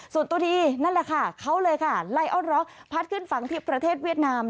ส่วนตัวดีนั่นแหละค่ะเขาเลยค่ะไลออนร็อกพัดขึ้นฝั่งที่ประเทศเวียดนาม